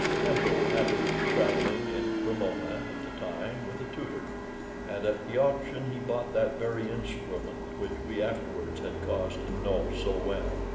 Temple happened to be travelling in Cremona at the time with a tutor, and at the auction he bought that very instrument which we afterwards had cause to know so well.